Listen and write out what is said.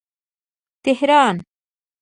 تهران